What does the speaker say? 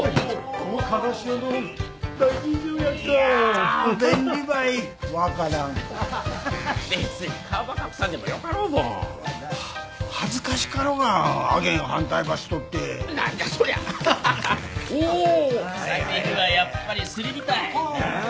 酒にはやっぱりすり身たい。